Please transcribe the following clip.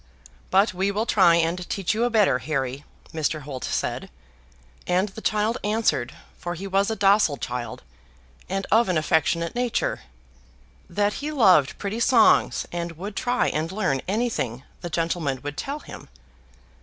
"But we will try and teach you a better, Harry," Mr. Holt said; and the child answered, for he was a docile child, and of an affectionate nature, "That he loved pretty songs, and would try and learn anything the gentleman would tell him."